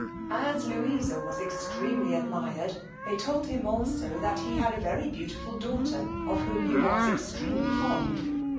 As Louisa was extremely admired, they told him also that he had a very beautiful daughter, of whom he was extremely fond.